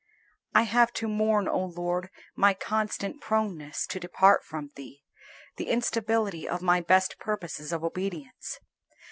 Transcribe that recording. I have to mourn, O Lord, my constant proneness to depart from Thee the instability of my best purposes of obedience.